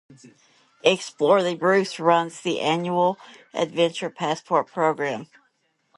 Explore the Bruce runs the annual Adventure Passport program.